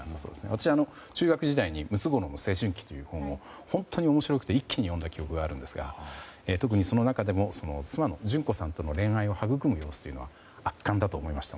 私、中学時代に「ムツゴロウの青春期」という本を本当に面白くて一気に読んだ記憶があるんですが特にその中でも妻の純子さんと恋愛を育む様子というのは圧巻だったなと思いました。